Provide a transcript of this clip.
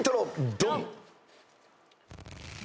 ドン！